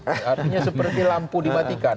artinya seperti lampu dimatikan